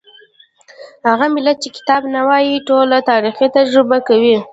هغه ملت چې کتاب نه وايي ټول تاریخ تجربه کوي.